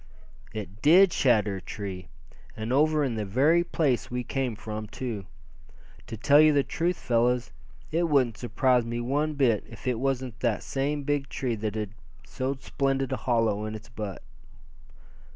"It did shatter a tree, and over in the very place we came from, too. To tell you the truth, fellows, it wouldn't surprise me one bit if it was that same big tree that had so splendid a hollow in its butt."